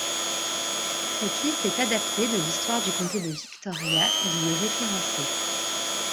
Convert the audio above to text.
Cette liste est adaptée de l'histoire du comté de Victoria, il y est référencé.